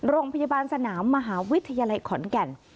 โรงพยาบาลสนามมหาวิทยาลัยขอนแก่น